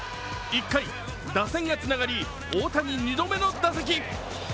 １回、打線がつながり、大谷、２度目の打席。